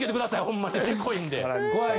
ホンマにせこいんで。